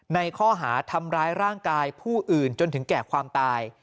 ในข้อหาทำร้ายร่างกายผู้อื่นจนถึงแก่ความตาย